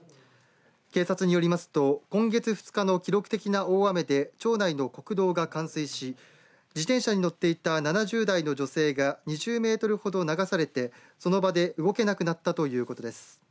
警察によりますと、今月２日の記録的な大雨で町内の国道が冠水し自転車に乗っていた７０代の女性が２０メートルほど流されてその場で動けなくなったということです。